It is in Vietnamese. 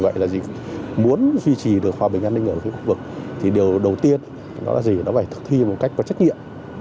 vì vậy muốn duy trì được hòa bình an ninh ở khu vực thì điều đầu tiên là thực thi một cách có trách nhiệm